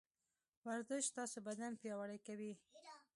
ورزش ستاسو بدن پياوړی کوي.